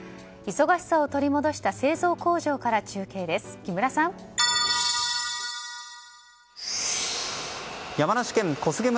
忙しさを取り戻した製造工場から中継です。